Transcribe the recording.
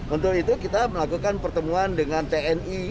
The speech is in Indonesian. untuk itu kita melakukan pertemuan dengan tni